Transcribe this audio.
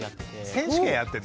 選手権やってるの？